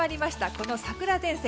この桜前線。